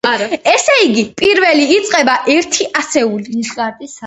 ესე იგი, პირველი იწყება, ერთი ასეულით.